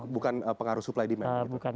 bukan pengaruh supply demand